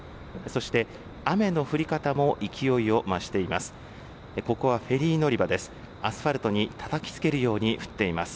そして雨の降り方も勢いを増しています。